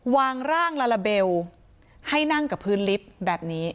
วางร่างลาลาเบลให้นั่งกับพื้นลิฟต์แบบนี้